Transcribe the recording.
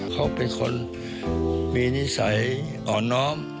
เขาเป็นคนมีนิสัยอ่อนน้อม